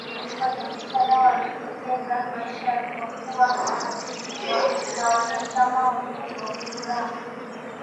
polisi kadhaa wamepoteza maisha kwa kuwawa na wanachama wa bokharam